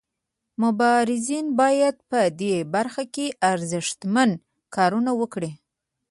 مبارزین باید په دې برخه کې ارزښتمن کارونه وکړي.